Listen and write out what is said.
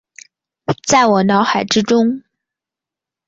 在我脑海之中